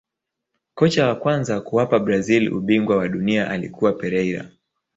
kocha wa kwanza kuwapa brazil ubingwa wa dunia alikuwa Pereira